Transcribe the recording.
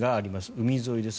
海沿いです。